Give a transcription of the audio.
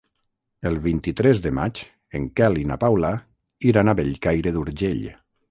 El vint-i-tres de maig en Quel i na Paula iran a Bellcaire d'Urgell.